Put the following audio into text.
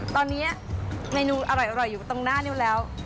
ตอนนี้เมนูอร่อยอยู่ตรงหน้านิ้วแล้ว